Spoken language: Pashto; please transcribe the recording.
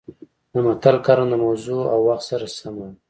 د متل کارونه د موضوع او وخت سره سمه وي